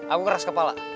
aku keras kepala